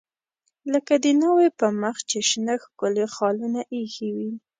لکه د ناوې په مخ چې شنه ښکلي خالونه ایښي وي.